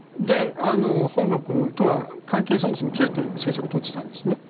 本国とは関係がそもそも切れている政策を取っていたんですね。